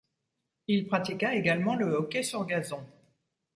Il pratiqua également le hockey sur gazon.